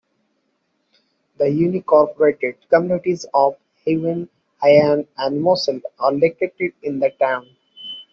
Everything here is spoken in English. The unincorporated communities of Haven, Hayen, and Mosel are located in the town.